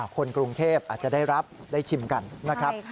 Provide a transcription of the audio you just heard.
คนกรุงเทพอาจจะได้รับได้ชิมกันนะครับ